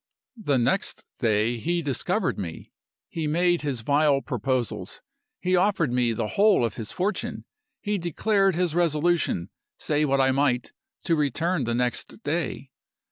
The next day he discovered me. He made his vile proposals; he offered me the whole of his fortune; he declared his resolution, say what I might, to return the next day.